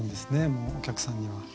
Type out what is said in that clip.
もうお客さんには。